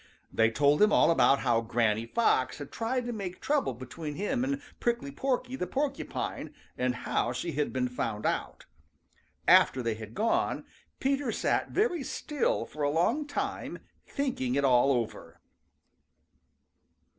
They told him all about how Granny Fox had tried to make trouble between him and Prickly Porky the Porcupine, and how she had been found out. After they had gone, Peter sat very still for a long time, thinking it all over.